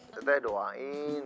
kita teh doain